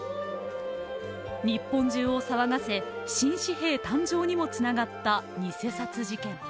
日本中を騒がせ新紙幣誕生にもつながった偽札事件。